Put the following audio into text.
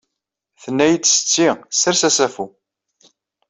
Tenna-id setti, ssers assafu